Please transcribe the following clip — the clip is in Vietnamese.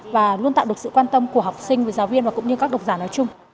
và luôn tạo được sự quan tâm của học sinh với giáo viên và cũng như các độc giả nói chung